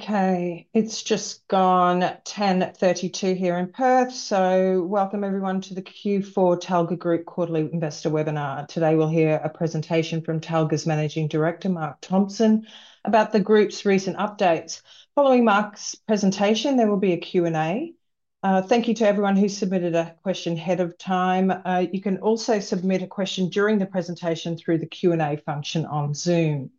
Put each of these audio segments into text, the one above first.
Okay, it's just gone 10:32 A.M. here in Perth. Welcome everyone to the Q4 Talga Group Quarterly Investor Webinar. Today, we'll hear a presentation from Talga Group's Managing Director, Mark Thompson, about the group's recent updates. Following Mark's presentation, there will be a Q&A. Thank you to everyone who submitted a question ahead of time. You can also submit a question during the presentation through the Q&A function on Zoom.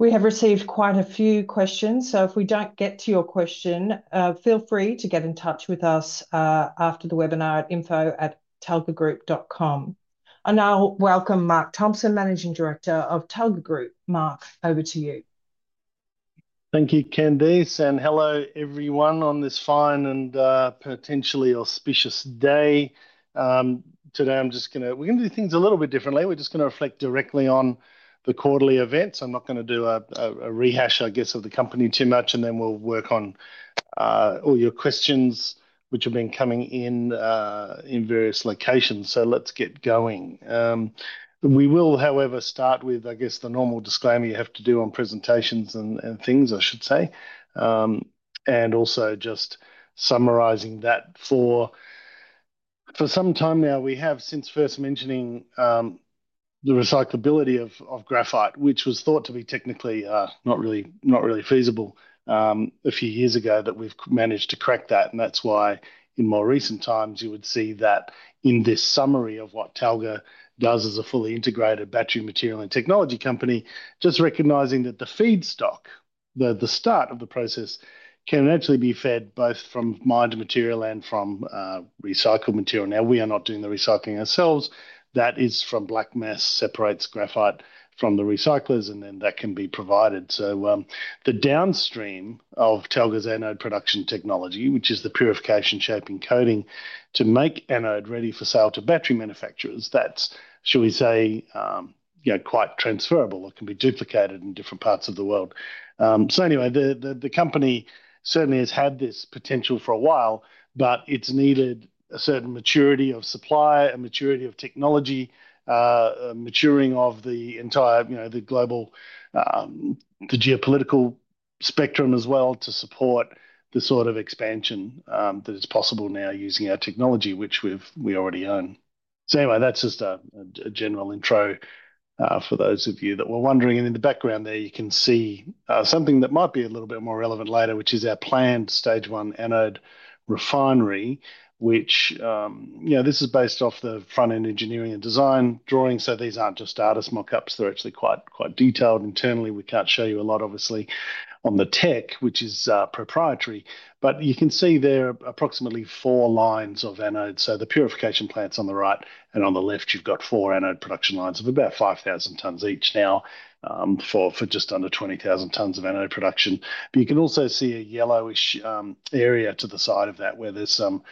We have received quite a few questions, so if we don't get to your question, feel free to get in touch with us after the webinar at info@talgagroup.com. I'll welcome Mark Thompson, Managing Director of Talga Group. Mark, over to you. Thank you, Candice, and hello everyone on this fine and potentially auspicious day. Today, I'm just going to do things a little bit differently. We're just going to reflect directly on the quarterly events. I'm not going to do a rehash, I guess, of the company too much, and then we'll work on all your questions, which have been coming in in various locations. Let's get going. We will, however, start with, I guess, the normal disclaimer you have to do on presentations and things, I should say, and also just summarizing that for some time now we have, since first mentioning the recyclability of graphite, which was thought to be technically not really feasible a few years ago, that we've managed to crack that. That's why in more recent times you would see that in this summary of what Talga Group does as a fully integrated battery material and technology company, just recognizing that the feedstock, the start of the process, can actually be fed both from mined material and from recycled material. Now, we are not doing the recycling ourselves. That is from black mass, separates graphite from the recyclers, and then that can be provided. The downstream of Talga Group's anode production technology, which is the purification, shaping, and coating to make anode ready for sale to battery manufacturers, that's, shall we say, quite transferable. It can be duplicated in different parts of the world. The company certainly has had this potential for a while, but it's needed a certain maturity of supply, a maturity of technology, a maturing of the entire, you know, the global, the geopolitical spectrum as well to support the sort of expansion that is possible now using our technology, which we already own. That's just a general intro for those of you that were wondering. In the background there, you can see something that might be a little bit more relevant later, which is our planned stage one anode refinery, which, you know, this is based off the front-end engineering and design drawings. These aren't just artist mockups. They're actually quite detailed internally. We can't show you a lot, obviously, on the tech, which is proprietary, but you can see there are approximately four lines of anode. The purification plant's on the right, and on the left, you've got four anode production lines of about 5,000 tons each now for just under 20,000 tons of anode production. You can also see a yellowish area to the side of that where there's some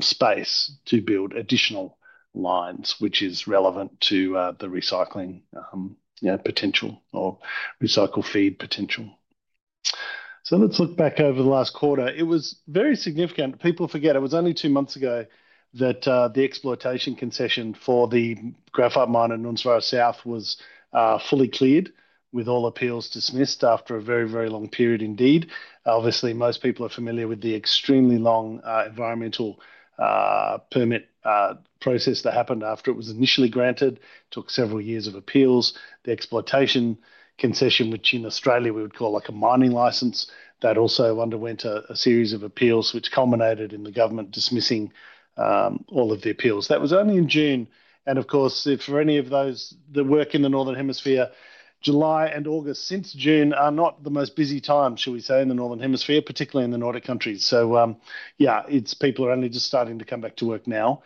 space to build additional lines, which is relevant to the recycling potential or recycled feed potential. Let's look back over the last quarter. It was very significant. People forget, it was only two months ago that the exploitation concession for the graphite mine in Nunswear South was fully cleared with all appeals dismissed after a very, very long period indeed. Obviously, most people are familiar with the extremely long environmental permit process that happened after it was initially granted. It took several years of appeals. The exploitation concession, which in Australia we would call like a mining license, also underwent a series of appeals which culminated in the government dismissing all of the appeals. That was only in June. For any of those that work in the northern hemisphere, July and August since June are not the most busy times, shall we say, in the northern hemisphere, particularly in the Nordic countries. People are only just starting to come back to work now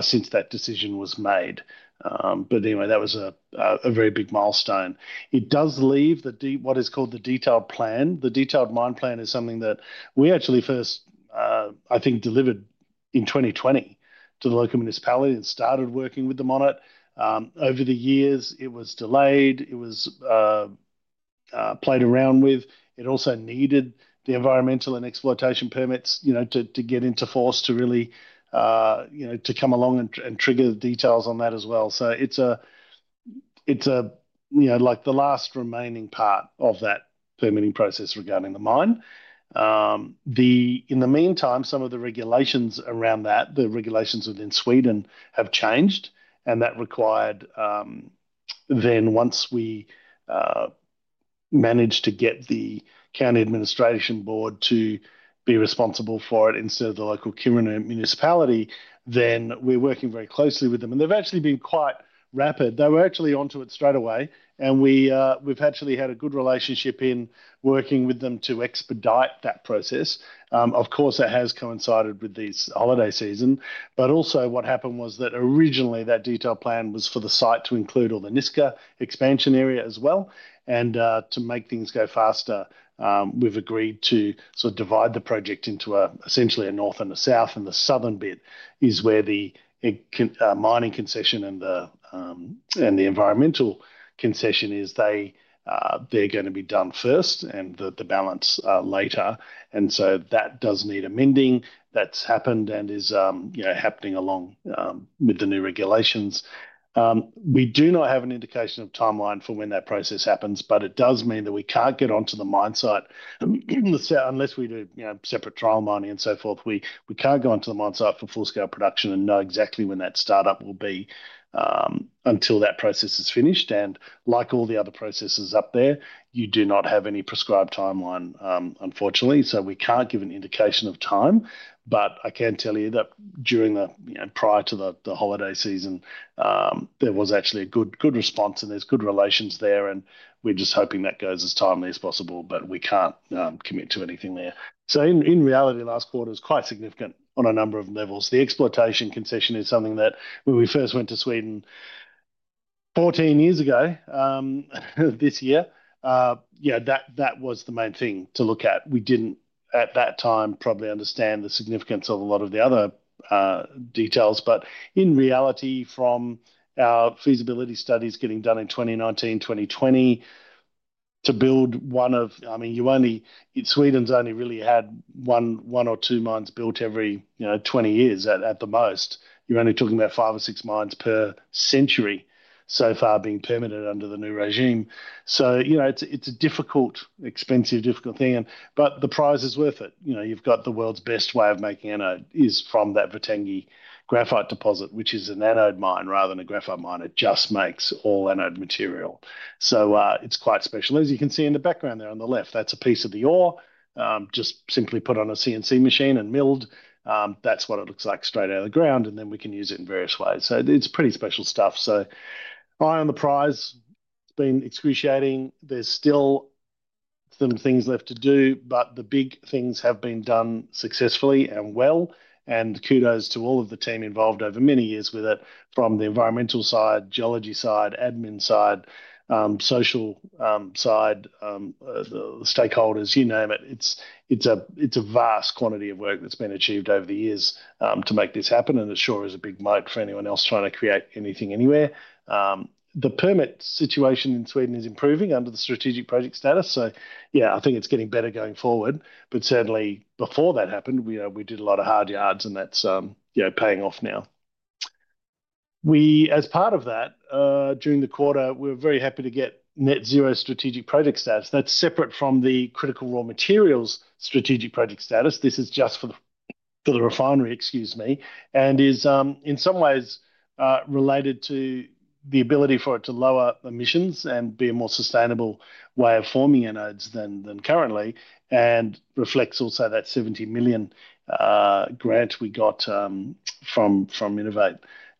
since that decision was made. That was a very big milestone. It does leave what is called the detailed plan. The detailed mine plan is something that we actually first, I think, delivered in 2020 to the local municipality and started working with them on it. Over the years, it was delayed. It was played around with. It also needed the environmental and exploitation permits to get into force to really come along and trigger the details on that as well. It's like the last remaining part of that permitting process regarding the mine. In the meantime, some of the regulations around that, the regulations within Sweden have changed, and that required then once we managed to get the county administration board to be responsible for it instead of the local municipality, we're working very closely with them. They've actually been quite rapid. They were actually onto it straight away. We've actually had a good relationship in working with them to expedite that process. It has coincided with this holiday season. Also, what happened was that originally that detailed plan was for the site to include all the Niska expansion area as well. To make things go faster, we've agreed to sort of divide the project into essentially a north and a south, and the southern bit is where the mining concession and the environmental concession are. They're going to be done first and the balance later. That does need amending. That's happened and is happening along with the new regulations. We do not have an indication of timeline for when that process happens, but it does mean that we can't get onto the mine site unless we do separate trial mining and so forth. We can't go onto the mine site for full-scale production and know exactly when that startup will be until that process is finished. Like all the other processes up there, you do not have any prescribed timeline, unfortunately. We can't give an indication of time. I can tell you that prior to the holiday season, there was actually a good response and there's good relations there. We're just hoping that goes as timely as possible, but we can't commit to anything there. In reality, last quarter was quite significant on a number of levels. The exploitation concession is something that when we first went to Sweden 14 years ago this year, that was the main thing to look at. We didn't at that time probably understand the significance of a lot of the other details. In reality, from our feasibility studies getting done in 2019, 2020, to build one of, I mean, Sweden's only really had one or two mines built every 20 years at the most. You're only talking about five or six mines per century so far being permitted under the new regime. It's a difficult, expensive, difficult thing. The prize is worth it. You've got the world's best way of making anode is from that Vittangi graphite deposit, which is an anode mine rather than a graphite mine. It just makes all anode material. It's quite special. As you can see in the background there on the left, that's a piece of the ore, just simply put on a CNC machine and milled. That's what it looks like straight out of the ground. We can use it in various ways. It's pretty special stuff. Eye on the prize. It's been excruciating. There's still some things left to do, but the big things have been done successfully and well. Kudos to all of the team involved over many years with it, from the environmental side, geology side, admin side, social side, the stakeholders, you name it. It's a vast quantity of work that's been achieved over the years to make this happen. It sure is a big moat for anyone else trying to create anything anywhere. The permit situation in Sweden is improving under the strategic project status. I think it's getting better going forward. Certainly before that happened, we did a lot of hard yards and that's paying off now. As part of that, during the quarter, we were very happy to get net zero strategic project status. That's separate from the critical raw materials strategic project status. This is just for the refinery, excuse me, and is in some ways related to the ability for it to lower emissions and be a more sustainable way of forming anodes than currently. It reflects also that $70 million grant we got from Innovate.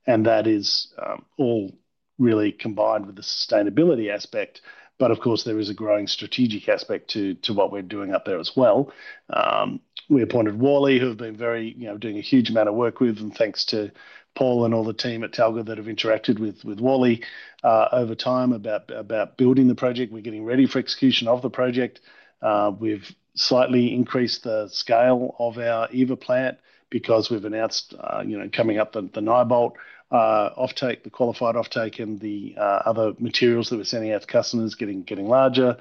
That is all really combined with the sustainability aspect. Of course, there is a growing strategic aspect to what we're doing up there as well. We appointed WSP Global, who have been doing a huge amount of work with, and thanks to Paul and all the team at Talga that have interacted with WSP Global over time about building the project. We're getting ready for execution of the project. We've slightly increased the scale of our EVA plant because we've announced, coming up, the Nyobolt offtake, the qualified offtake, and the other materials that we're sending out to customers getting larger.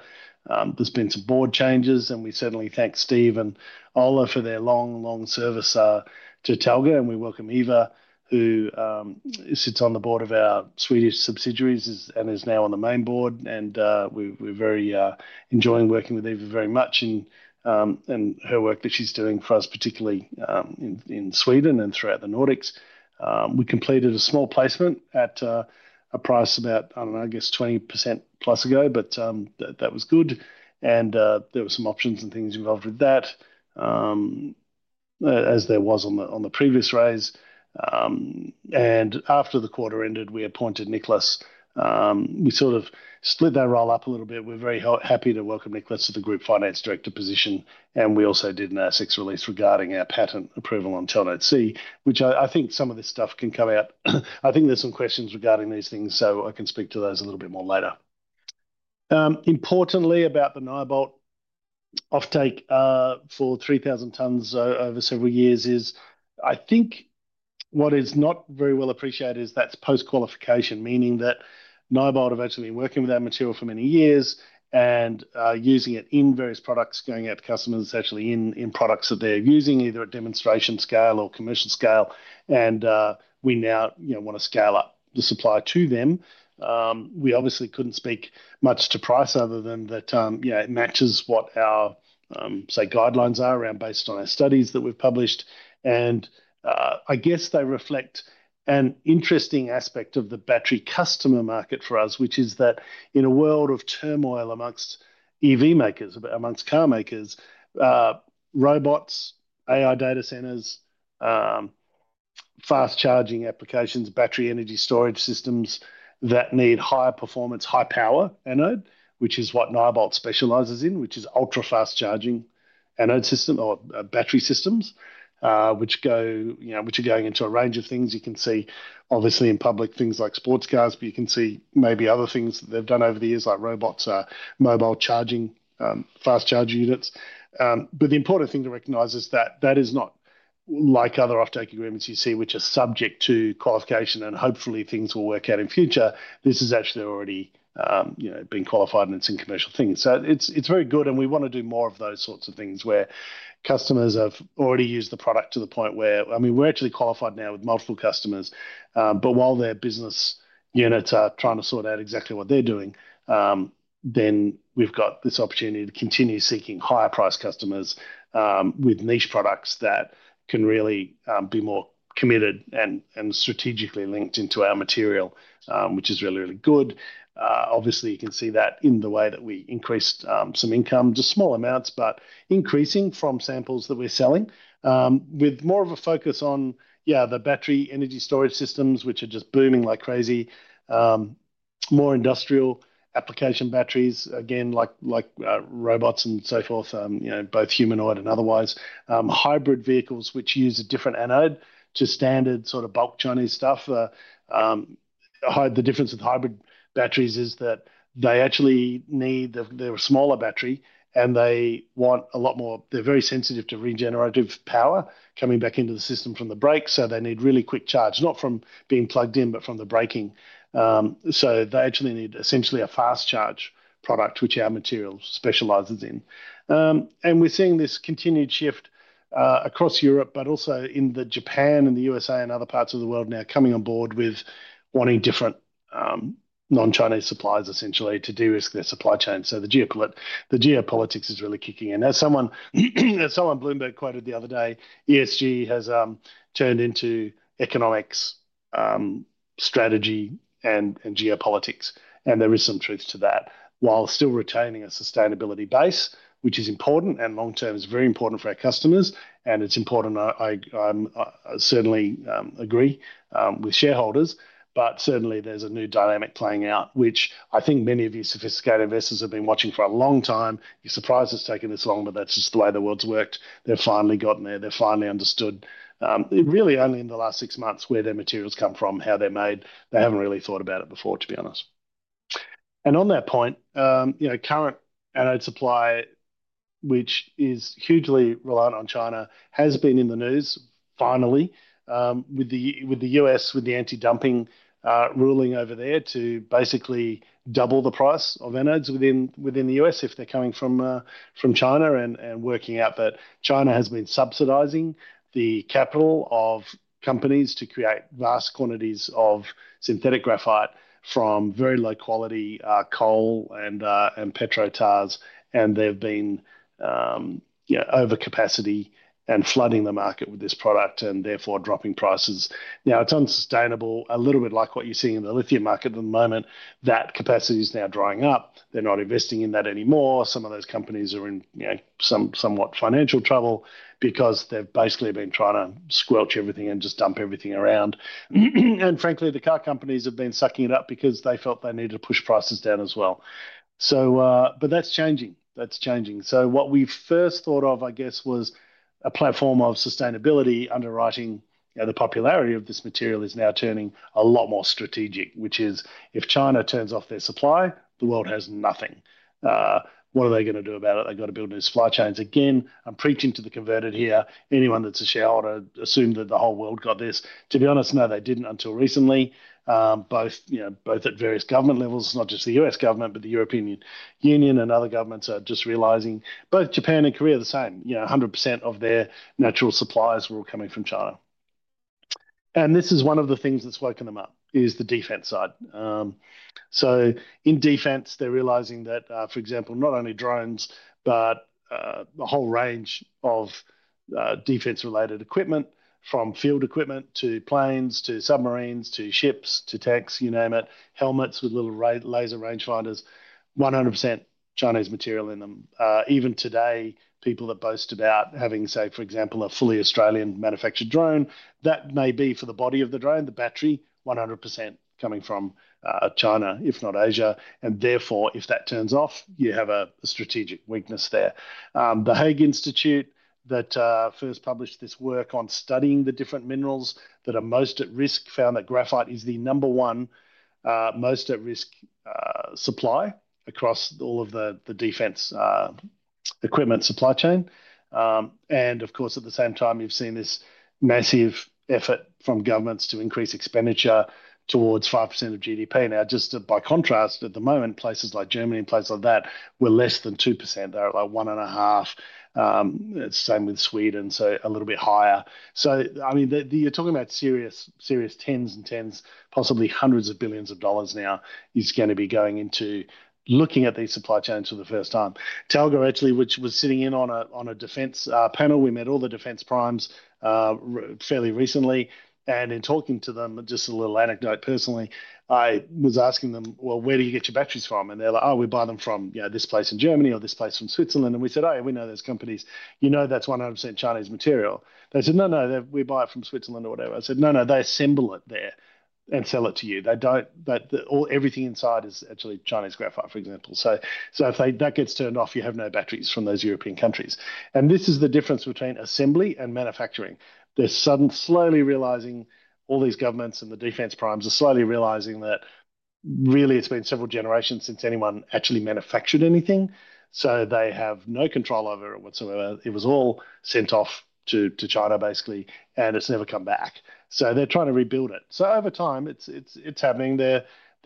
There's been some board changes, and we certainly thank Steve and Ola for their long, long service to Talga. We welcome Eva, who sits on the board of our Swedish subsidiaries and is now on the main board. We're very much enjoying working with Eva in her work that she's doing for us, particularly in Sweden and throughout the Nordics. We completed a small placement at a price about, I don't know, I guess 20% + ago, but that was good. There were some options and things involved with that, as there was on the previous raise. After the quarter ended, we appointed Niklas. We sort of split that role up a little bit. We're very happy to welcome Niklas to the Group Finance Director position. We also did an ASX release regarding our patent approval on Talnode-C, which I think some of this stuff can come out. I think there's some questions regarding these things, so I can speak to those a little bit more later. Importantly, about the Nyobolt offtake for 3,000 tons over several years, what is not very well appreciated is that's post-qualification, meaning that Nyobolt have actually been working with our material for many years and using it in various products going out to customers, essentially in products that they're using, either at demonstration scale or commercial scale. We now want to scale up the supply to them. We obviously couldn't speak much to price other than that it matches what our, say, guidelines are around based on our studies that we've published. I guess they reflect an interesting aspect of the battery customer market for us, which is that in a world of turmoil amongst EV makers, amongst car makers, robots, AI data centers, fast charging applications, battery energy storage systems that need high performance, high power anode, which is what Nyobolt specializes in, which is ultra fast charging anode system or battery systems, which are going into a range of things. You can see obviously in public things like sports cars, but you can see maybe other things that they've done over the years like robots, mobile charging, fast charger units. The important thing to recognize is that that is not like other offtake agreements you see, which are subject to qualification and hopefully things will work out in future. This has actually already been qualified and it's in commercial things. It is very good. We want to do more of those sorts of things where customers have already used the product to the point where we're actually qualified now with multiple customers. While their business units are trying to sort out exactly what they're doing, we've got this opportunity to continue seeking higher price customers with niche products that can really be more committed and strategically linked into our material, which is really, really good. Obviously, you can see that in the way that we increased some income, just small amounts, but increasing from samples that we're selling with more of a focus on the battery energy storage systems, which are just booming like crazy. More industrial application batteries, again, like robots and so forth, both humanoid and otherwise. Hybrid vehicles, which use a different anode to standard sort of bulk Chinese stuff. The difference with hybrid batteries is that they actually need the smaller battery and they want a lot more, they're very sensitive to regenerative power coming back into the system from the brake. They need really quick charge, not from being plugged in, but from the braking. They actually need essentially a fast charge product, which our material specializes in. We're seeing this continued shift across Europe, but also in Japan and the U.S. and other parts of the world now coming on board with wanting different non-Chinese supplies, essentially, to de-risk their supply chain. The geopolitics is really kicking in. As someone, you know, someone Bloomberg quoted the other day, ESG has turned into economics, strategy, and geopolitics. There is some truth to that while still retaining a sustainability base, which is important and long-term is very important for our customers. It's important, I certainly agree with shareholders, but certainly there's a new dynamic playing out, which I think many of these sophisticated investors have been watching for a long time. You're surprised it's taken this long, but that's just the way the world's worked. They've finally gotten there. They've finally understood really only in the last six months where their materials come from, how they're made. They haven't really thought about it before, to be honest. On that point, you know, current anode supply, which is hugely reliant on China, has been in the news finally with the U.S., with the anti-dumping ruling over there to basically double the price of anodes within the U.S. if they're coming from China and working out that China has been subsidizing the capital of companies to create vast quantities of synthetic graphite from very low-quality coal and petrotars. They've been over capacity and flooding the market with this product and therefore dropping prices. It's understandable, a little bit like what you're seeing in the lithium market at the moment, that capacity is now drying up. They're not investing in that anymore. Some of those companies are in somewhat financial trouble because they've basically been trying to squelch everything and just dump everything around. Frankly, the car companies have been sucking it up because they felt they needed to push prices down as well. That's changing. That's changing. What we first thought of, I guess, was a platform of sustainability underwriting. The popularity of this material is now turning a lot more strategic, which is if China turns off their supply, the world has nothing. What are they going to do about it? They've got to build new supply chains. Again, I'm preaching to the converted here. Anyone that's a shareholder assumed that the whole world got this. To be honest, no, they didn't until recently. Both at various government levels, not just the U.S. government, but the European Union and other governments are just realizing both Japan and Korea are the same. You know, 100% of their natural supplies are all coming from China. This is one of the things that's woken them up, is the defense side. In defense, they're realizing that, for example, not only drones, but a whole range of defense-related equipment, from field equipment to planes to submarines to ships to techs, you name it, helmets with little laser rangefinders, 100% Chinese material in them. Even today, people that boast about having, say, for example, a fully Australian manufactured drone, that may be for the body of the drone, the battery, 100% coming from China, if not Asia. Therefore, if that turns off, you have a strategic weakness there. The Haig Institute that first published this work on studying the different minerals that are most at risk found that graphite is the number one most at risk supply across all of the defense equipment supply chain. At the same time, you've seen this massive effort from governments to increase expenditure towards 5% of GDP. Just by contrast, at the moment, places like Germany and places like that were less than 2%. They're at like one and a half. It's the same with Sweden, so a little bit higher. I mean, you're talking about serious, serious 10's and 10's, possibly $100 of billions of dollars now is going to be going into looking at these supply chains for the first time. Talga actually, which was sitting in on a defense panel, we met all the defense primes fairly recently. In talking to them, just a little anecdote personally, I was asking them, well, where do you get your batteries from? They're like, oh, we buy them from, you know, this place in Germany or this place from Switzerland. We said, oh, yeah, we know those companies. You know, that's 100% Chinese material. They said, no, no, we buy it from Switzerland or whatever. I said, no, no, they assemble it there and sell it to you. They don't, but everything inside is actually Chinese graphite, for example. If that gets turned off, you have no batteries from those European countries. This is the difference between assembly and manufacturing. They're suddenly slowly realizing all these governments and the defense primes are slowly realizing that really it's been several generations since anyone actually manufactured anything. They have no control over it whatsoever. It was all sent off to China basically and has never come back. They're trying to rebuild it. Over time, it's happening. They're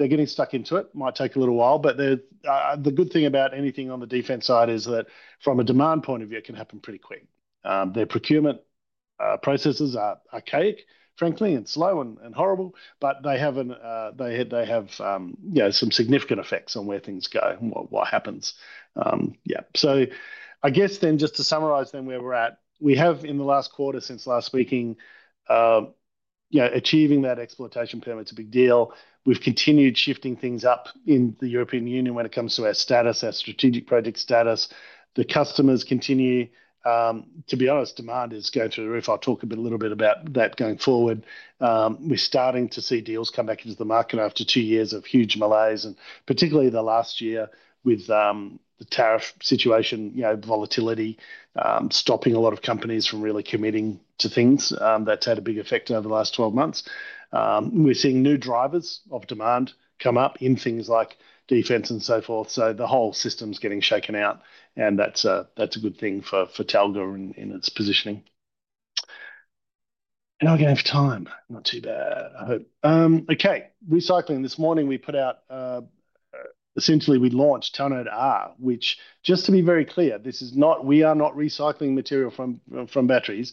getting stuck into it. It might take a little while, but the good thing about anything on the defense side is that from a demand point of view, it can happen pretty quick. Their procurement processes are archaic, frankly, and slow and horrible, but they have some significant effects on where things go and what happens. I guess then just to summarize where we're at, we have in the last quarter since last week, you know, achieving that exploitation permit is a big deal. We've continued shifting things up in the European Union when it comes to our status, our strategic project status. The customers continue, to be honest, demand is going through the roof. I'll talk a little bit about that going forward. We're starting to see deals come back into the market after two years of huge malaise and particularly the last year with the tariff situation, volatility stopping a lot of companies from really committing to things. That's had a big effect over the last 12 months. We're seeing new drivers of demand come up in things like defense and so forth. The whole system's getting shaken out and that's a good thing for Talga Group in its positioning. I gave time, not too bad, I hope. Recycling. This morning we put out, essentially we launched Talnode-R, which just to be very clear, this is not, we are not recycling material from batteries.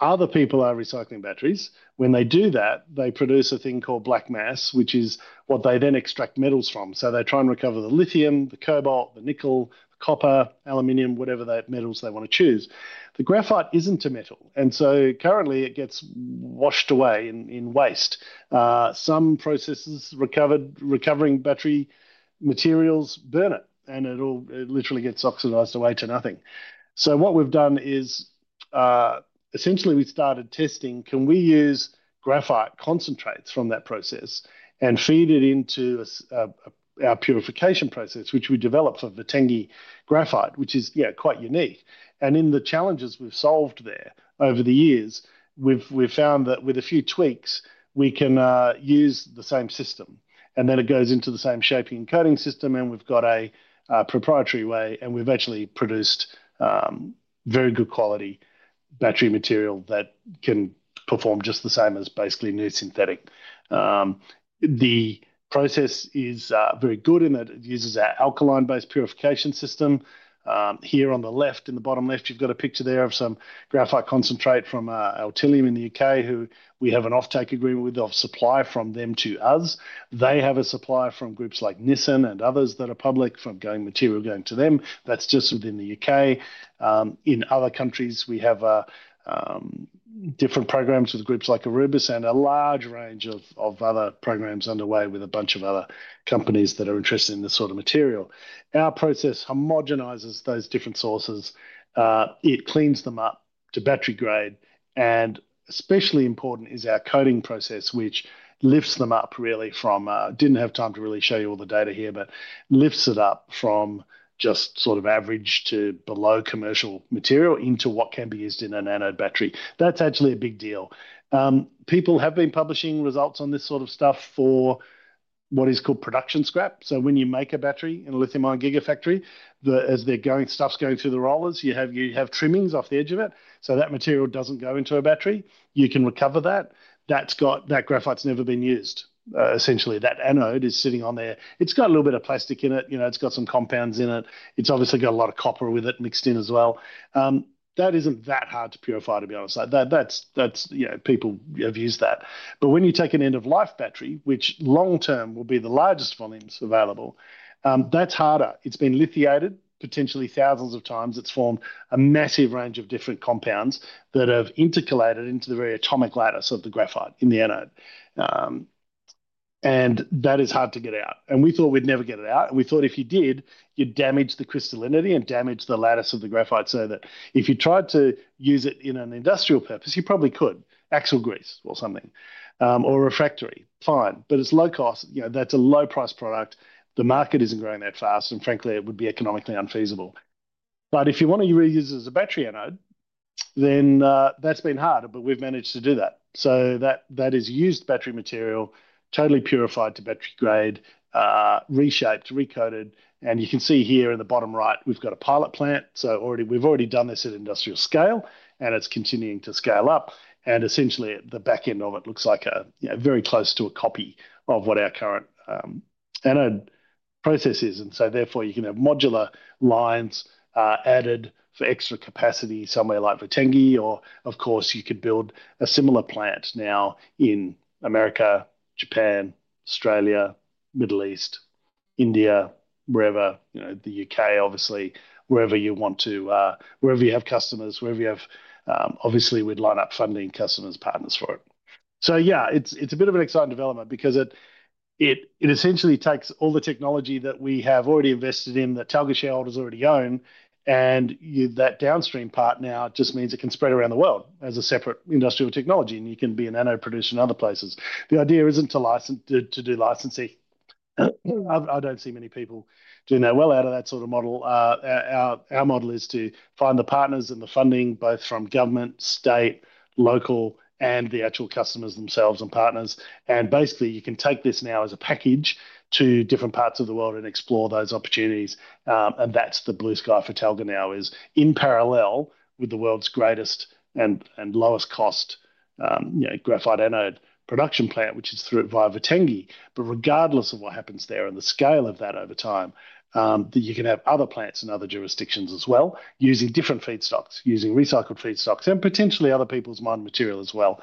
Other people are recycling batteries. When they do that, they produce a thing called black mass, which is what they then extract metals from. They try and recover the lithium, the cobalt, the nickel, the copper, aluminum, whatever metals they want to choose. The graphite isn't a metal. Currently it gets washed away in waste. Some processes recovering battery materials burn it and it literally gets oxidized away to nothing. What we've done is essentially we started testing, can we use graphite concentrates from that process and feed it into our purification process, which we developed for Vittangi graphite, which is quite unique. In the challenges we've solved there over the years, we've found that with a few tweaks, we can use the same system. It goes into the same shaping and coating system. We've got a proprietary way and we've actually produced very good quality battery material that can perform just the same as basically new synthetic. The process is very good in that it uses our alkaline-based purification system. Here on the left, in the bottom left, you've got a picture there of some graphite concentrate from Altilium in the UK, who we have an offtake agreement with of supply from them to us. They have a supply from groups like Nissin and others that are public from material going to them. That's just within the UK. In other countries, we have different programs with groups like Aurubis and a large range of other programs underway with a bunch of other companies that are interested in this sort of material. Our process homogenizes those different sources. It cleans them up to battery grade. Especially important is our coating process, which lifts them up really from, didn't have time to really show you all the data here, but lifts it up from just sort of average to below commercial material into what can be used in an anode battery. That's actually a big deal. People have been publishing results on this sort of stuff for what is called production scrap. When you make a battery in a lithium-ion gigafactory, as they're going, stuff's going through the rollers, you have trimmings off the edge of it. That material doesn't go into a battery. You can recover that. That graphite's never been used. Essentially, that anode is sitting on there. It's got a little bit of plastic in it. It's got some compounds in it. It's obviously got a lot of copper with it mixed in as well. That isn't that hard to purify, to be honest. People have used that. When you take an end-of-life battery, which long-term will be the largest volumes available, that's harder. It's been lithiated potentially thousands of times. It's formed a massive range of different compounds that have intercalated into the very atomic lattice of the graphite in the anode. That is hard to get out. We thought we'd never get it out. We thought if you did, you'd damage the crystallinity and damage the lattice of the graphite. If you tried to use it in an industrial purpose, you probably could. Axle grease or something or a refractory, fine. It's low cost. That's a low-price product. The market isn't growing that fast. Frankly, it would be economically unfeasible. If you want to reuse it as a battery anode, that's been harder, but we've managed to do that. That is used battery material, totally purified to battery grade, reshaped, recoated. You can see here in the bottom right, we've got a pilot plant. We've already done this at industrial scale and it's continuing to scale up. Essentially, at the back end of it, it looks very close to a copy of what our current anode process is. Therefore, you can have modular lines added for extra capacity somewhere like Vittangi. Of course, you could build a similar plant now in the U.S., Japan, Australia, Middle East, India, the UK, obviously, wherever you want to, wherever you have customers, wherever you have, obviously with lineup funding, customers, partners for it. It's a bit of an exciting development because it essentially takes all the technology that we have already invested in, that Talga shareholders already own, and that downstream part now just means it can spread around the world as a separate industrial technology. You can be an anode producer in other places. The idea isn't to do licensing. I don't see many people doing that well out of that sort of model. Our model is to find the partners and the funding, both from government, state, local, and the actual customers themselves and partners. Basically, you can take this now as a package to different parts of the world and explore those opportunities. That's the blue sky for Talga now, in parallel with the world's greatest and lowest cost graphite anode production plant, which is through Vittangi. Regardless of what happens there and the scale of that over time, you can have other plants in other jurisdictions as well, using different feedstocks, using recycled feedstocks, and potentially other people's mined material as well,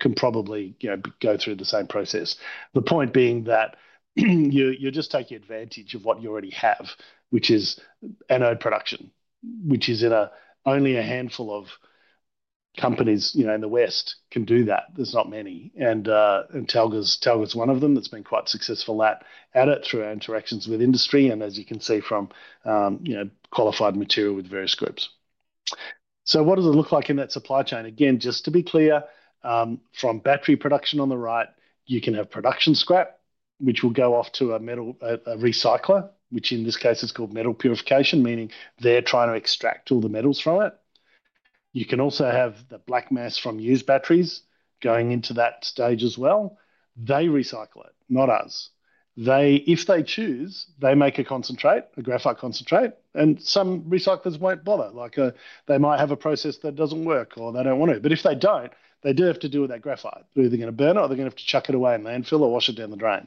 can probably go through the same process. The point being that you're just taking advantage of what you already have, which is anode production, which only a handful of companies, you know, in the West can do that. There's not many. Talga's one of them that's been quite successful at it through our interactions with industry. As you can see from, you know, qualified material with various groups. What does it look like in that supply chain? Again, just to be clear, from battery production on the right, you can have production scrap, which will go off to a metal recycler, which in this case is called metal purification, meaning they're trying to extract all the metals from it. You can also have the black mass from used batteries going into that stage as well. They recycle it, not us. They, if they choose, make a concentrate, a graphite concentrate, and some recyclers won't bother. Like they might have a process that doesn't work or they don't want to. If they don't, they do have to deal with that graphite. Either they're going to burn it or they're going to have to chuck it away in landfill or wash it down the drain.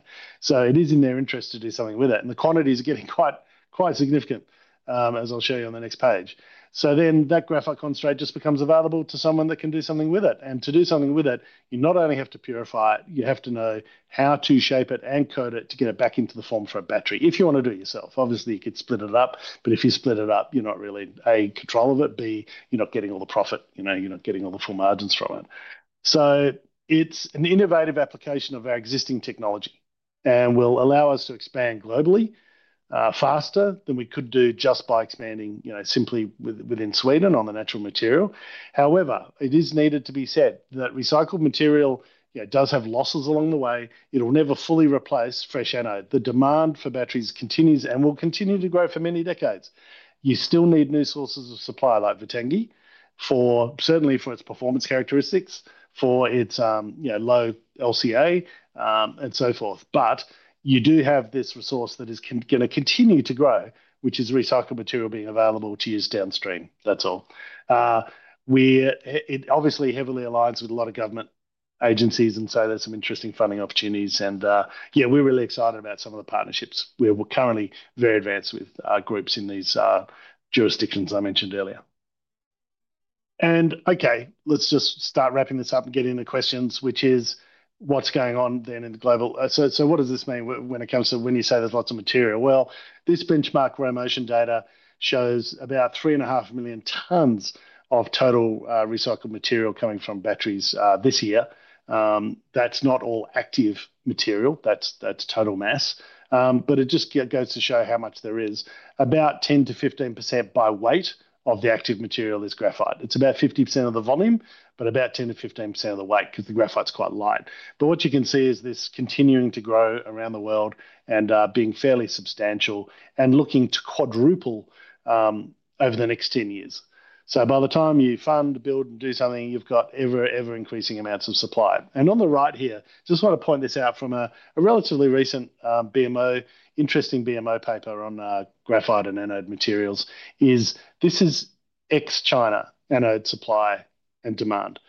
It is in their interest to do something with it. The quantity is getting quite, quite significant, as I'll show you on the next page. That graphite concentrate just becomes available to someone that can do something with it. To do something with it, you not only have to purify it, you have to know how to shape it and coat it to get it back into the form for a battery. If you want to do it yourself, obviously you could split it up. If you split it up, you're not really A, in control of it. B, you're not getting all the profit. You know, you're not getting all the full margins from it. It's an innovative application of our existing technology and will allow us to expand globally faster than we could do just by expanding, you know, simply within Sweden on the natural material. However, it is needed to be said that recycled material, you know, does have losses along the way. It'll never fully replace fresh anode. The demand for batteries continues and will continue to grow for many decades. You still need new sources of supply like Vittangi for certainly for its performance characteristics, for its, you know, low LCA and so forth. You do have this resource that is going to continue to grow, which is recycled material being available to use downstream. That's all. We're obviously heavily aligned with a lot of government agencies, and there's some interesting funding opportunities. We're really excited about some of the partnerships where we're currently very advanced with groups in these jurisdictions I mentioned earlier. Let's just start wrapping this up and get into the questions, which is what's going on then in the global. What does this mean when it comes to when you say there's lots of material? This benchmark row motion data shows about 3.5 million tons of total recycled material coming from batteries this year. That's not all active material. That's total mass, but it just goes to show how much there is. About 10%-15% by weight of the active material is graphite. It's about 50% of the volume, but about 10%-15% of the weight because the graphite's quite light. What you can see is this continuing to grow around the world and being fairly substantial and looking to quadruple over the next 10 years. By the time you fund, build, and do something, you've got ever-increasing amounts of supply. On the right here, I just want to point this out from a relatively recent BMO, interesting BMO paper on graphite and anode materials. This is ex-China anode supply and demand.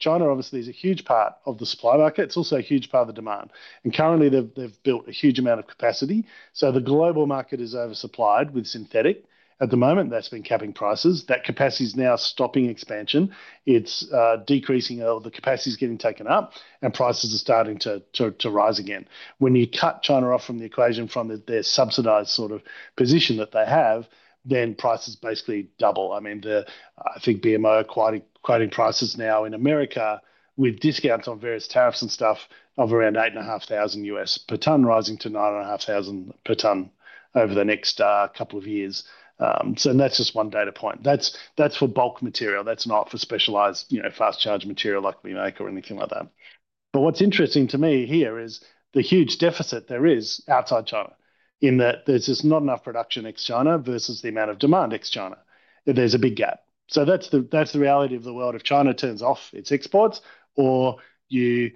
China obviously is a huge part of the supply market. It's also a huge part of the demand, and currently, they've built a huge amount of capacity. The global market is oversupplied with synthetic at the moment. That's been capping prices. That capacity is now stopping expansion. It's decreasing or the capacity is getting taken up, and prices are starting to rise again. When you cut China off from the equation from their subsidized sort of position that they have, then prices basically double. I think BMO are quoting prices now in America with discounts on various tariffs and stuff of around $8,500 per ton, rising to $9,500 per ton over the next couple of years. That's just one data point. That's for bulk material. That's not for specialized, fast-charged material like we make or anything like that. What's interesting to me here is the huge deficit there is outside China in that there's just not enough production ex-China versus the amount of demand ex-China. There's a big gap. That's the reality of the world. If China turns off its exports or you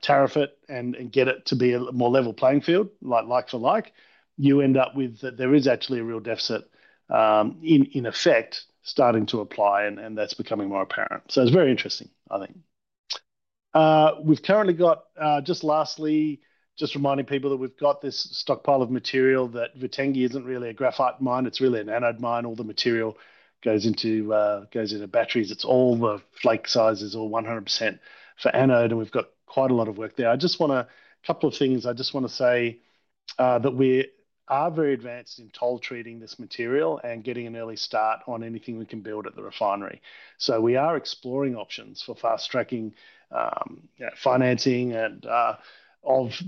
tariff it and get it to be a more level playing field, like for like, you end up with that there is actually a real deficit in effect starting to apply and that's becoming more apparent. It's very interesting, I think. We've currently got, just lastly, just reminding people that we've got this stockpile of material that Vittangi isn't really a graphite mine. It's really an anode mine. All the material goes into batteries. It's all the flake sizes or 100% for anode. We've got quite a lot of work there. I just want to say that we are very advanced in toll treating this material and getting an early start on anything we can build at the refinery. We are exploring options for fast tracking financing of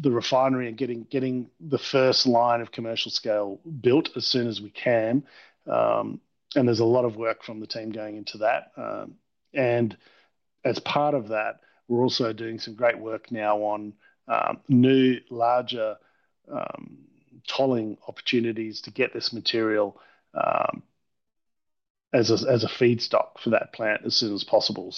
the refinery and getting the first line of commercial scale built as soon as we can. There's a lot of work from the team going into that. As part of that, we're also doing some great work now on new larger tolling opportunities to get this material as a feedstock for that plant as soon as possible.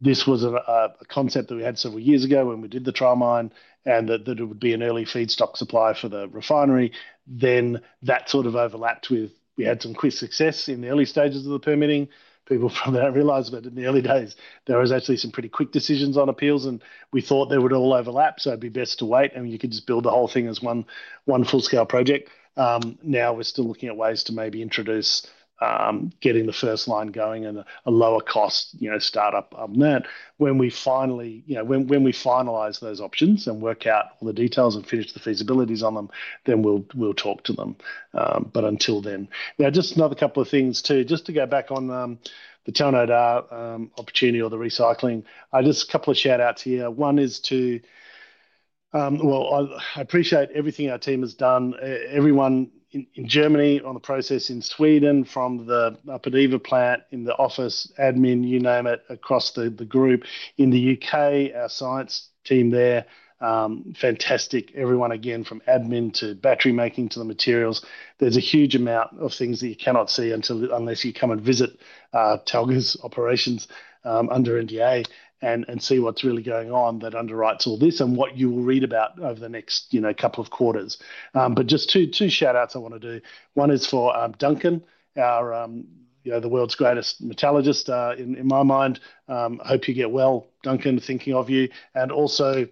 This was a concept that we had several years ago when we did the trial mine and that it would be an early feedstock supply for the refinery. That sort of overlapped with, we had some quick success in the early stages of the permitting. People felt that realized, but in the early days, there were actually some pretty quick decisions on appeals and we thought they would all overlap. It would be best to wait. You could just build the whole thing as one full-scale project. Now we're still looking at ways to maybe introduce getting the first line going and a lower cost startup on that. When we finalize those options and work out all the details and finish the feasibilities on them, then we'll talk to them. Until then, just another couple of things too, just to go back on the Talnode opportunity or the recycling. A couple of shout-outs here. One is to, I appreciate everything our team has done. Everyone in Germany on the process in Sweden, from the Upper Diva plant in the office, admin, you name it, across the group in the UK, our science team there, fantastic. Everyone again from admin to battery making to the materials. There's a huge amount of things that you cannot see unless you come and visit Talga Group's operations under NDA and see what's really going on that underwrites all this and what you will read about over the next couple of quarters. Just two shout-outs I want to do. One is for Duncan, our, you know, the world's greatest metallurgist in my mind. Hope you get well, Duncan, thinking of you. Also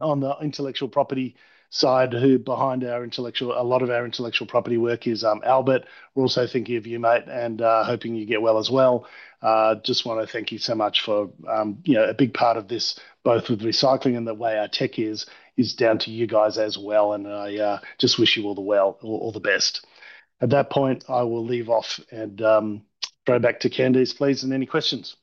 on the intellectual property side, who behind our intellectual, a lot of our intellectual property work is Albert. We're also thinking of you, mate, and hoping you get well as well. Just want to thank you so much for a big part of this, both with recycling and the way our tech is, is down to you guys as well. I just wish you all the best. At that point, I will leave off and throw back to Candice, please, and any questions.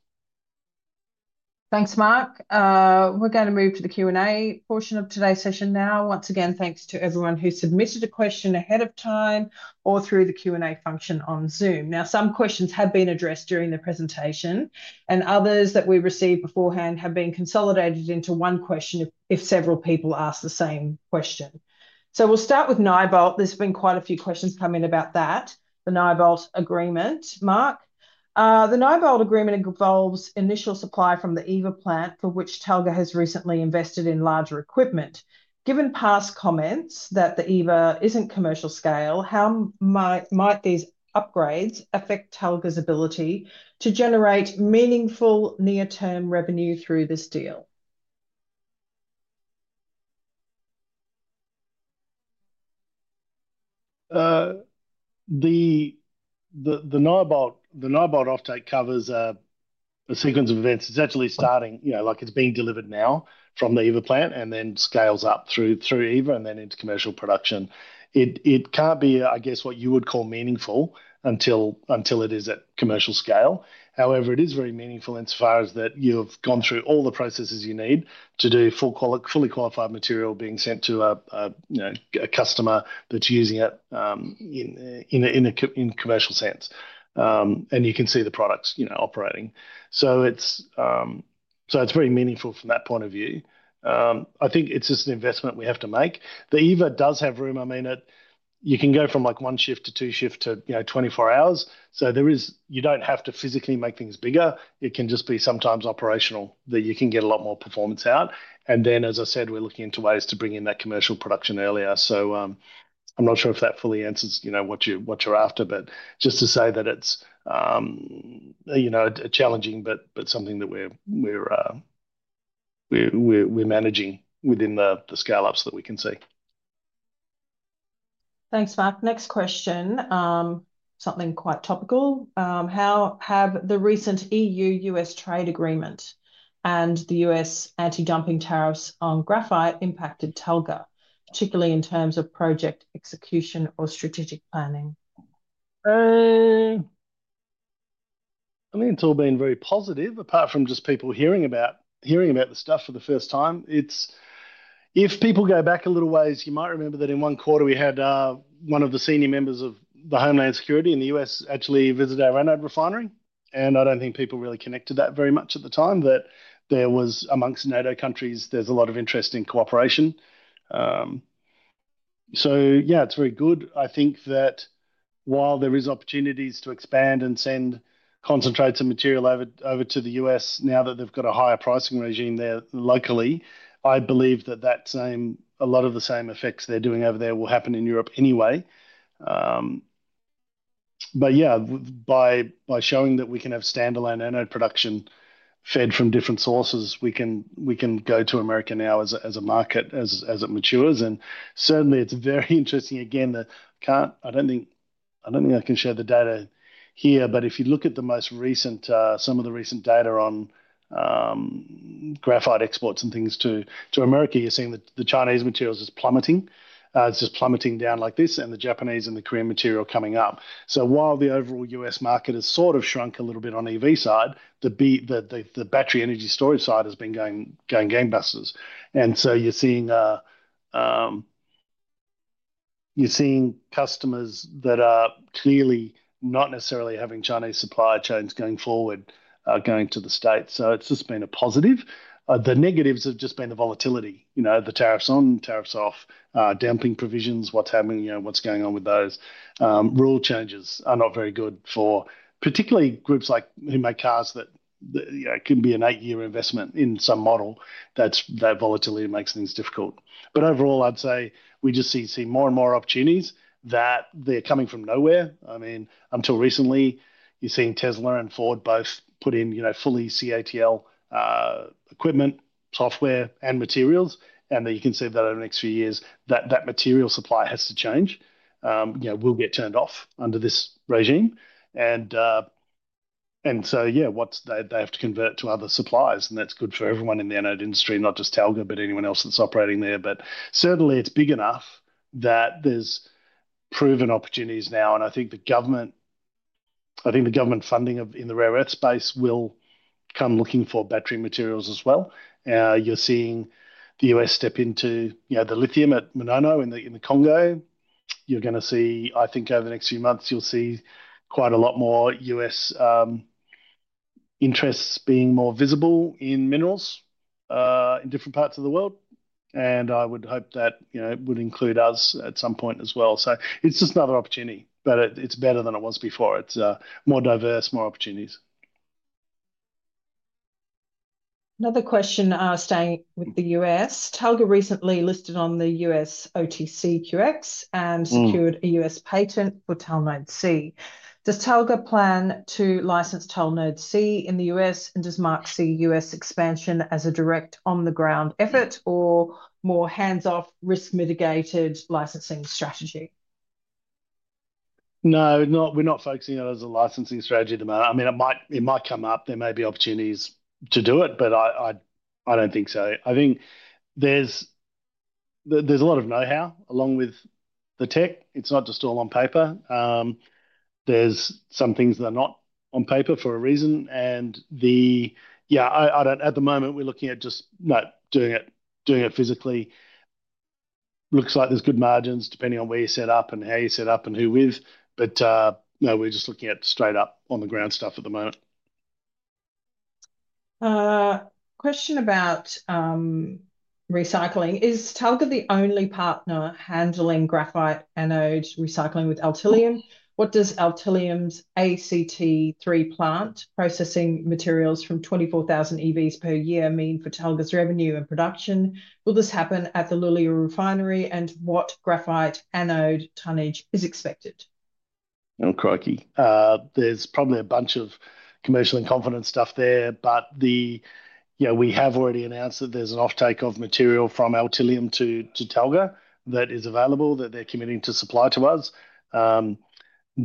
Thanks, Mark. We're going to move to the Q&A portion of today's session now. Once again, thanks to everyone who submitted a question ahead of time or through the Q&A function on Zoom. Some questions have been addressed during the presentation, and others that we received beforehand have been consolidated into one question if several people asked the same question. We'll start with Nyobolt. There's been quite a few questions coming about that, the Nyobolt agreement. Mark, the Nyobolt agreement involves initial supply from the EVA plant, for which Talga Group has recently invested in larger equipment. Given past comments that the EVA isn't commercial scale, how might these upgrades affect Talga Group's ability to generate meaningful near-term revenue through this deal? The Nyobolt offtake covers a sequence of events. It's actually starting, you know, like it's being delivered now from the EVA plant and then scales up through EVA and then into commercial production. It can't be, I guess, what you would call meaningful until it is at commercial scale. However, it is very meaningful insofar as that you have gone through all the processes you need to do fully qualified material being sent to a customer that's using it in a commercial sense. You can see the products operating. It's very meaningful from that point of view. I think it's just an investment we have to make. The EVA does have room. You can go from like one shift to two shifts to 24 hours. There is, you don't have to physically make things bigger. It can just be sometimes operational that you can get a lot more performance out. As I said, we're looking into ways to bring in that commercial production earlier. I'm not sure if that fully answers what you're after, but just to say that it's a challenging, but something that we're managing within the scale-ups that we can see. Thanks, Mark. Next question, something quite topical. How have the recent EU-U.S. trade agreement and the U.S. anti-dumping tariffs on graphite impacted Talga Group, particularly in terms of project execution or strategic planning? It's all been very positive, apart from just people hearing about the stuff for the first time. If people go back a little ways, you might remember that in one quarter we had one of the senior members of Homeland Security in the U.S. actually visit our anode refinery. I don't think people really connected that very much at the time that there was amongst NATO countries, there's a lot of interest in cooperation. It's very good. I think that while there are opportunities to expand and send concentrates and material over to the U.S., now that they've got a higher pricing regime there locally, I believe that a lot of the same effects they're doing over there will happen in Europe anyway. By showing that we can have standalone anode production fed from different sources, we can go to America now as a market, as it matures. It's very interesting. I can't, I don't think I can share the data here, but if you look at some of the recent data on graphite exports and things to America, you're seeing that the Chinese materials are plummeting. It's just plummeting down like this, and the Japanese and the Korean material are coming up. While the overall U.S. market has sort of shrunk a little bit on the EV side, the battery energy storage side has been going gangbusters. You're seeing customers that are clearly not necessarily having Chinese supply chains going forward going to the States. It's just been a positive. The negatives have just been the volatility, the tariffs on, tariffs off, dumping provisions, what's happening, what's going on with those. Rule changes are not very good for particularly groups like who make cars that can be an eight-year investment in some model. That volatility makes things difficult. Overall, I'd say we just see more and more opportunities that are coming from nowhere. I mean, until recently, you're seeing Tesla and Ford both put in, you know, fully CATL equipment, software, and materials. You can see that over the next few years, that material supply has to change. You know, we'll get turned off under this regime. What's more, they have to convert to other supplies. That's good for everyone in the anode industry, not just Talga Group, but anyone else that's operating there. Certainly, it's big enough that there's proven opportunities now. I think the government funding in the rare earth space will come looking for battery materials as well. You're seeing the U.S. step into, you know, the lithium at Manono in the Congo. You're going to see, I think over the next few months, quite a lot more U.S. interests being more visible in minerals in different parts of the world. I would hope that it would include us at some point as well. It's just another opportunity, but it's better than it was before. It's more diverse, more opportunities. Another question staying with the U.S. Talga Group recently listed on the U.S. OTC QX and secured a U.S. patent for Talnode-C. Does Talga Group plan to license Talnode-C in the U.S.? Does Mark see U.S. expansion as a direct on-the-ground effort or more hands-off risk-mitigated licensing strategy? No, we're not focusing on it as a licensing strategy at the moment. I mean, it might come up. There may be opportunities to do it, but I don't think so. I think there's a lot of know-how along with the tech. It's not just all on paper. There are some things that are not on paper for a reason. At the moment, we're looking at just not doing it, doing it physically. Looks like there's good margins depending on where you set up and how you set up and who with. No, we're just looking at straight up on the ground stuff at the moment. Question about recycling. Is Talga the only partner handling graphite anode recycling with Altilium? What does Altilium's ACT3 plant processing materials from 24,000 EVs per year mean for Talga's revenue and production? Will this happen at the Luleå refinery? What graphite anode tonnage is expected? Oh, crikey. There's probably a bunch of commercial incompetent stuff there, but, you know, we have already announced that there's an offtake of material from Altilium to Talga that is available, that they're committing to supply to us.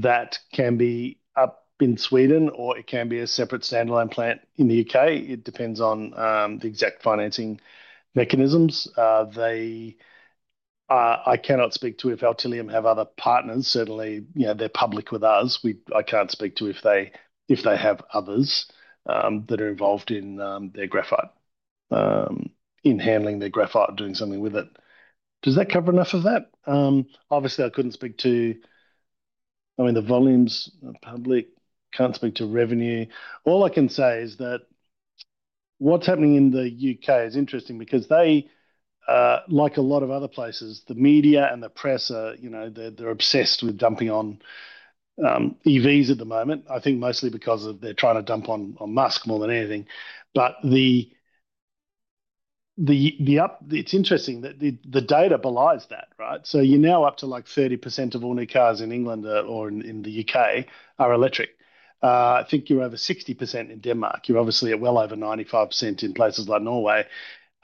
That can be up in Sweden or it can be a separate standalone plant in the UK. It depends on the exact financing mechanisms. I cannot speak to if Altilium have other partners. Certainly, you know, they're public with us. I can't speak to if they have others that are involved in their graphite, in handling their graphite and doing something with it. Does that cover enough of that? Obviously, I couldn't speak to, I mean, the volumes are public. Can't speak to revenue. All I can say is that what's happening in the UK is interesting because they, like a lot of other places, the media and the press are, you know, they're obsessed with dumping on EVs at the moment. I think mostly because they're trying to dump on Musk more than anything. It's interesting that the data belies that, right? You're now up to like 30% of all new cars in England or in the UK are electric. I think you're over 60% in Denmark. You're obviously at well over 95% in places like Norway.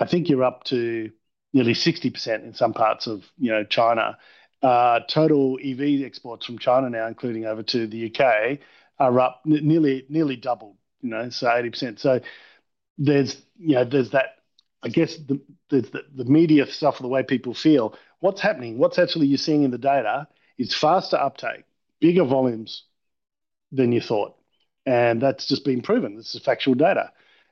I think you're up to nearly 60% in some parts of, you know, China. Total EV exports from China now, including over to the UK, are up nearly double, you know, so 80%. There's that, I guess, there's the media stuff or the way people feel. What's actually you're seeing in the data is faster uptake, bigger volumes than you thought. That's just been proven. This is factual data.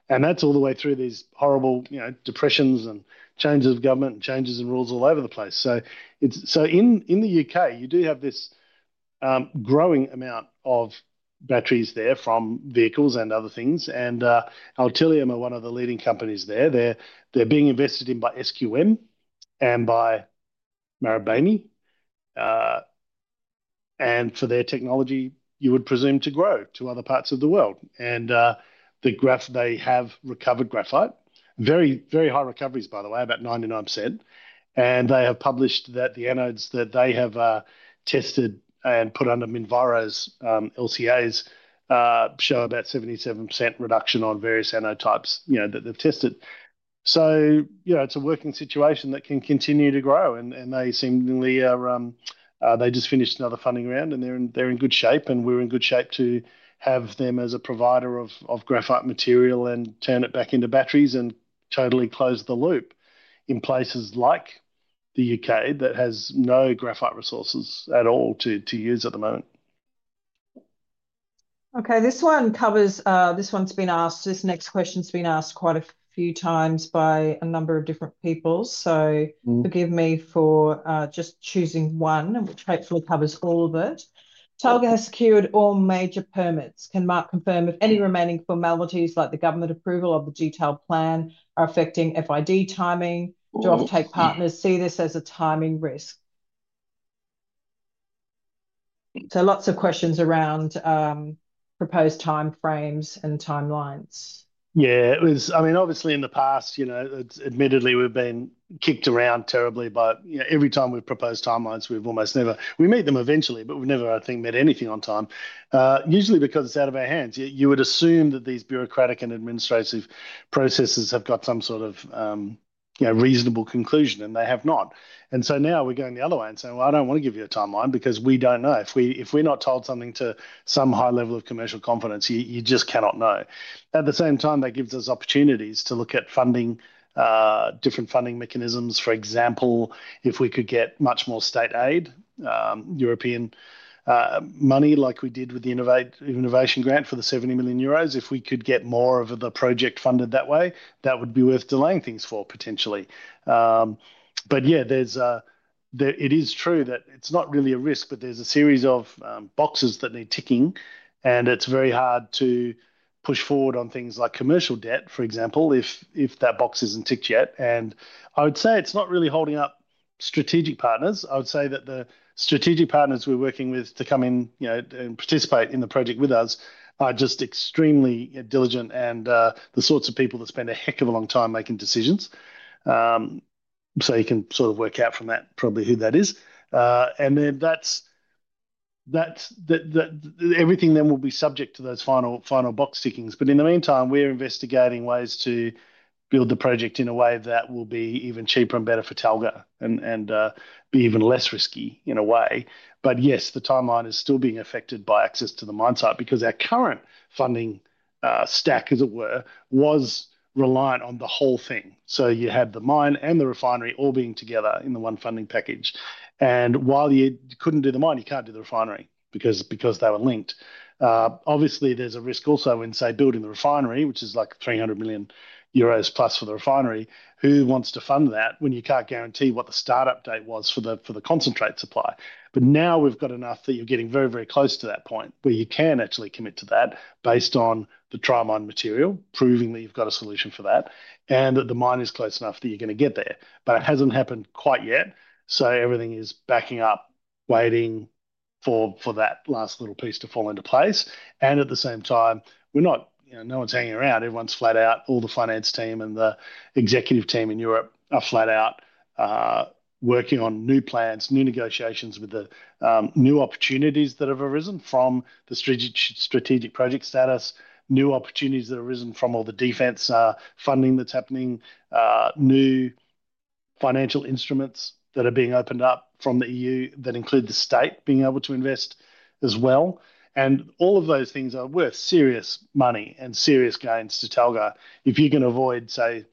That's all the way through these horrible depressions and changes of government and changes of rules all over the place. In the UK, you do have this growing amount of batteries there from vehicles and other things. Altilium are one of the leading companies there. They're being invested in by SQM and by Marubani. For their technology, you would presume to grow to other parts of the world. They have recovered graphite. Very, very high recoveries, by the way, about 99%. They have published that the anodes that they have tested and put under Minviro's LCAs show about 77% reduction on various anode types, you know, that they've tested. It's a working situation that can continue to grow. They seemingly are, they just finished another funding round and they're in good shape. We're in good shape to have them as a provider of graphite material and turn it back into batteries and totally close the loop in places like the UK that has no graphite resources at all to use at the moment. Okay, this one covers, this next question's been asked quite a few times by a number of different people. Forgive me for just choosing one, which hopefully covers all of it. Talga has secured all major permits. Can Mark confirm if any remaining formalities, like the government approval of the detailed mine plan, are affecting FID timing? Do offtake partners see this as a timing risk? Lots of questions around proposed timeframes and timelines. Yeah, it was, I mean, obviously in the past, you know, admittedly we've been kicked around terribly by, you know, every time we've proposed timelines, we've almost never, we meet them eventually, but we've never, I think, met anything on time. Usually, because it's out of our hands, you would assume that these bureaucratic and administrative processes have got some sort of, you know, reasonable conclusion, and they have not. Now we're going the other way and saying, I don't want to give you a timeline because we don't know. If we're not told something to some high level of commercial confidence, you just cannot know. At the same time, that gives us opportunities to look at funding, different funding mechanisms. For example, if we could get much more state aid, European money, like we did with the Innovation Grant for the 70 million euros, if we could get more of the project funded that way, that would be worth delaying things for potentially. Yeah, it is true that it's not really a risk, but there's a series of boxes that need ticking, and it's very hard to push forward on things like commercial debt, for example, if that box isn't ticked yet. I would say it's not really holding up strategic partners. I would say that the strategic partners we're working with to come in, you know, and participate in the project with us are just extremely diligent and the sorts of people that spend a heck of a long time making decisions. You can sort of work out from that probably who that is. Everything then will be subject to those final box tickings. In the meantime, we're investigating ways to build the project in a way that will be even cheaper and better for Talga and be even less risky in a way. Yes, the timeline is still being affected by access to the mine site because our current funding stack, as it were, was reliant on the whole thing. You had the mine and the refinery all being together in the one funding package. While you couldn't do the mine, you can't do the refinery because they were linked. Obviously, there's a risk also when, say, building the refinery, which is like 300 million euros plus for the refinery, who wants to fund that when you can't guarantee what the startup date was for the concentrate supply. Now we've got enough that you're getting very, very close to that point where you can actually commit to that based on the trial mine material, proving that you've got a solution for that and that the mine is close enough that you're going to get there. It hasn't happened quite yet. Everything is backing up, waiting for that last little piece to fall into place. At the same time, no one's hanging around. Everyone's flat out. All the finance team and the executive team in Europe are flat out working on new plans, new negotiations with the new opportunities that have arisen from the strategic project status, new opportunities that have arisen from all the defense funding that's happening, new financial instruments that are being opened up from the EU that include the state being able to invest as well. All of those things are worth serious money and serious gains to Talga Group. If you can avoid, say,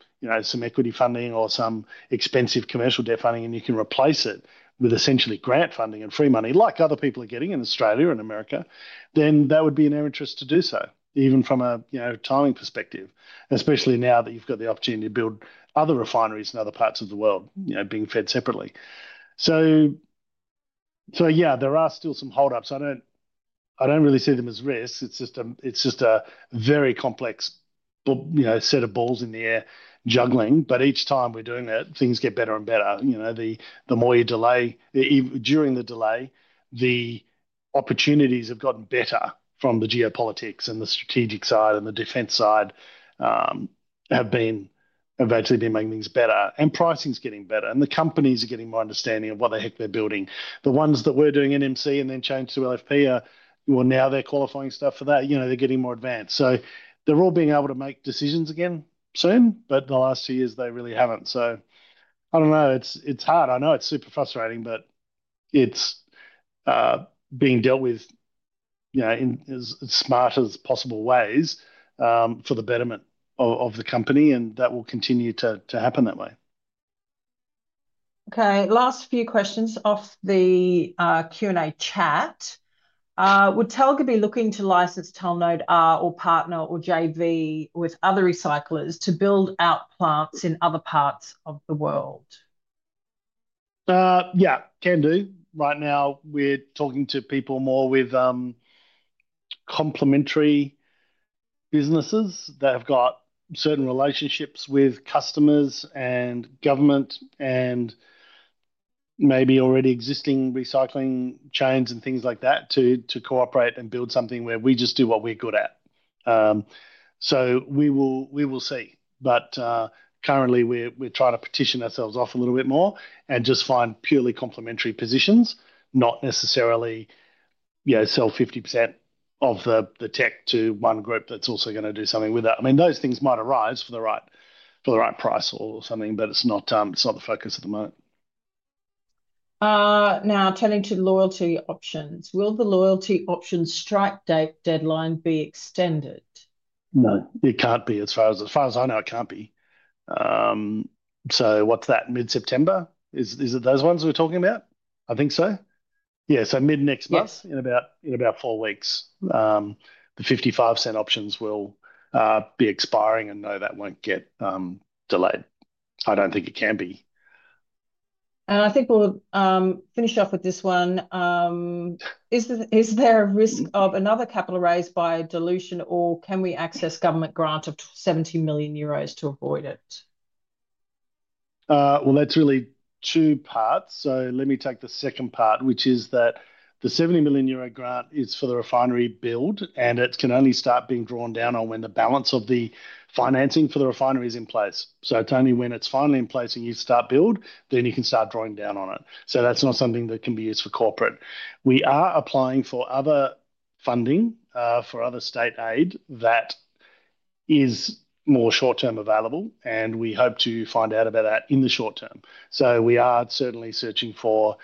some equity funding or some expensive commercial debt funding and you can replace it with essentially grant funding and free money, like other people are getting in Australia and America, then that would be in our interest to do so, even from a timing perspective, especially now that you've got the opportunity to build other refineries in other parts of the world, being fed separately. There are still some holdups. I don't really see them as risks. It's just a very complex set of balls in the air juggling. Each time we're doing that, things get better and better. The more you delay, even during the delay, the opportunities have gotten better from the geopolitics and the strategic side and the defense side have been eventually been making things better. Pricing's getting better and the companies are getting more understanding of what the heck they're building. The ones that were doing NMC and then changed to LFP are, well, now they're qualifying stuff for that. They're getting more advanced. They're all being able to make decisions again soon, but the last few years they really haven't. I know it's super frustrating, but it's being dealt with in as smart as possible ways for the betterment of the company. That will continue to happen that way. Okay, last few questions off the Q&A chat. Would Talga be looking to license Talnode-R or partner or JV with other recyclers to build out plants in other parts of the world? Yeah, can do. Right now we're talking to people more with complementary businesses that have got certain relationships with customers and government and maybe already existing recycling chains and things like that to cooperate and build something where we just do what we're good at. We will see. Currently, we're trying to petition ourselves off a little bit more and just find purely complementary positions, not necessarily, you know, sell 50% of the tech to one group that's also going to do something with it. I mean, those things might arise for the right price or something, but it's not the focus at the moment. Now, turning to loyalty options, will the loyalty options strike date deadline be extended? No, it can't be. As far as I know, it can't be. What's that, mid-September? Is it those ones we're talking about? I think so. Mid-next month, in about four weeks, the 55% options will be expiring, and no, that won't get delayed. I don't think it can be. I think we'll finish off with this one. Is there a risk of another capital raise by dilution, or can we access the government grant of 70 million euros to avoid it? That is really two parts. Let me take the second part, which is that the €70 million grant is for the refinery build and it can only start being drawn down on when the balance of the financing for the refinery is in place. It is only when it is finally in place and you start build, then you can start drawing down on it. That is not something that can be used for corporate. We are applying for other funding for other state aid that is more short-term available and we hope to find out about that in the short term. We are certainly searching for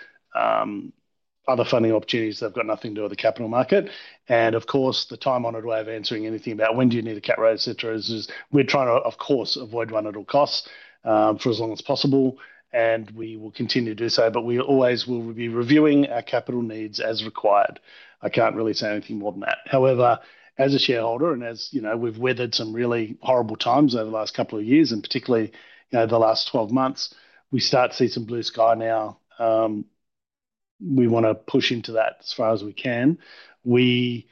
other funding opportunities that have got nothing to do with the capital market. Of course, the time-honored way of answering anything about when do you need a CAT rate, et cetera, is we are trying to, of course, avoid run-it-all costs for as long as possible and we will continue to do so. We always will be reviewing our capital needs as required. I cannot really say anything more than that. However, as a shareholder and as, you know, we have weathered some really horrible times over the last couple of years and particularly, you know, the last 12 months, we start to see some blue sky now. We want to push into that as far as we can. The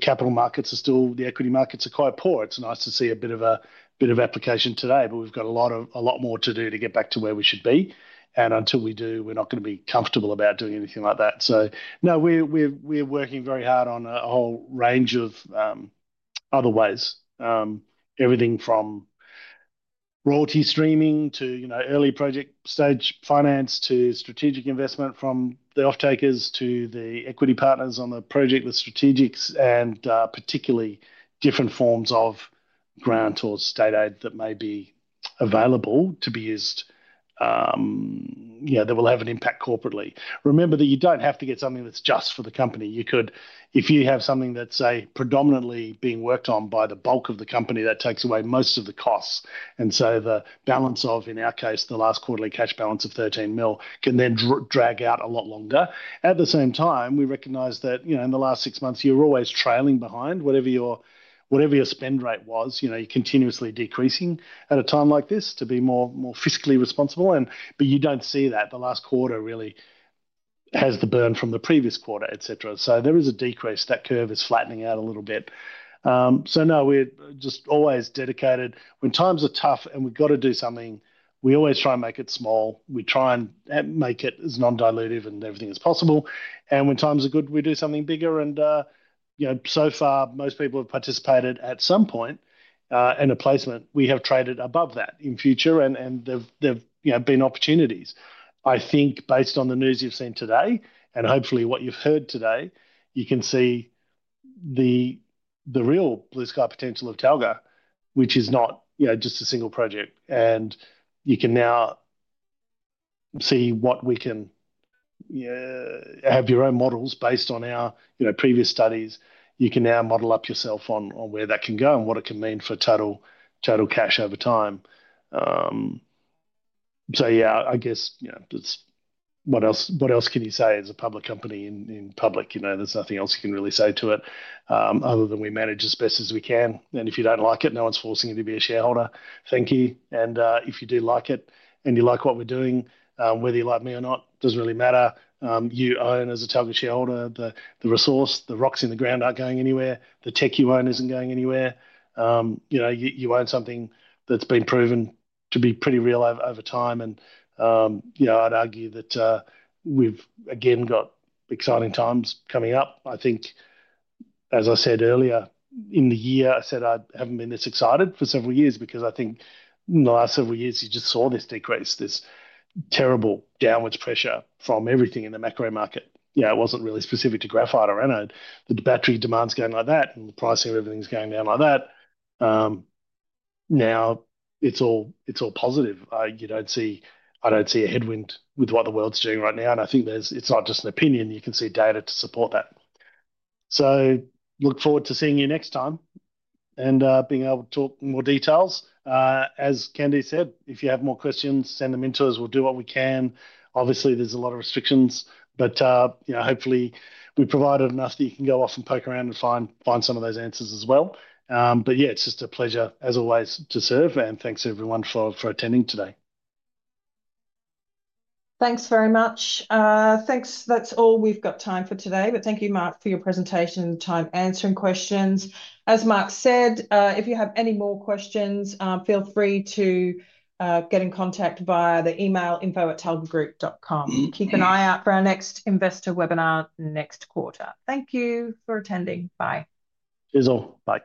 capital markets are still, the equity markets are quite poor. It is nice to see a bit of application today, but we have got a lot more to do to get back to where we should be. Until we do, we are not going to be comfortable about doing anything like that. No, we are working very hard on a whole range of other ways, everything from royalty streaming to early project stage finance to strategic investment from the off-takers to the equity partners on the project, the strategics, and particularly different forms of grant or state aid that may be available to be used, you know, that will have an impact corporately. Remember that you do not have to get something that is just for the company. You could, if you have something that is predominantly being worked on by the bulk of the company, that takes away most of the costs. The balance of, in our case, the last quarterly cash balance of $13 million can then drag out a lot longer. At the same time, we recognize that, you know, in the last six months, you are always trailing behind whatever your spend rate was. You are continuously decreasing at a time like this to be more fiscally responsible. You don't see that the last quarter really has the burn from the previous quarter, etc. There is a decrease. That curve is flattening out a little bit. We're just always dedicated. When times are tough and we've got to do something, we always try and make it small. We try and make it as non-dilutive and everything as possible. When times are good, we do something bigger. So far, most people have participated at some point in a placement. We have traded above that in future and there have been opportunities. I think based on the news you've seen today and hopefully what you've heard today, you can see the real blue sky potential of Talga Group, which is not just a single project. You can now see what we can, you know, have your own models based on our previous studies. You can now model up yourself on where that can go and what it can mean for total cash over time. I guess, you know, what else can you say as a public company in public? There's nothing else you can really say to it other than we manage as best as we can. If you don't like it, no one's forcing you to be a shareholder. Thank you. If you do like it and you like what we're doing, whether you like me or not, it doesn't really matter. You own as a Talga Group shareholder the resource. The rocks in the ground aren't going anywhere. The tech you own isn't going anywhere. You own something that's been proven to be pretty real over time. I'd argue that we've again got exciting times coming up. I think, as I said earlier in the year, I said I haven't been this excited for several years because I think in the last several years you just saw this decrease, this terrible downward pressure from everything in the macro market. It wasn't really specific to graphite or anode. The battery demand's going like that and the pricing of everything's going down like that. Now it's all positive. You don't see, I don't see a headwind with what the world's doing right now. I think it's not just an opinion. You can see data to support that. Look forward to seeing you next time and being able to talk more details. As Candice said, if you have more questions, send them into us. We'll do what we can. Obviously, there's a lot of restrictions, but hopefully we provide enough that you can go off and poke around and find some of those answers as well. It's just a pleasure as always to serve. Thank you everyone for attending today. Thanks very much. Thanks. That's all we've got time for today. Thank you, Mark, for your presentation and time answering questions. As Mark said, if you have any more questions, feel free to get in contact via the email info@talgagroup.com. Keep an eye out for our next investor webinar next quarter. Thank you for attending. Bye. Cheers all. Bye.